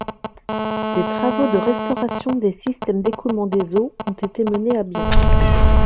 Des travaux de restauration des systèmes d'écoulement des eaux ont été menés à bien.